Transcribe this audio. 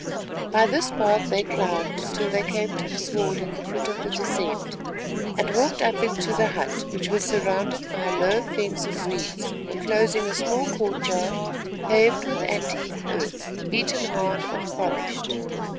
By this path they climbed till they came to the sward at the foot of the descent, and walked up it to the hut which was surrounded by a low fence of reeds, enclosing a small court yard paved with ant heap earth beaten hard and polished.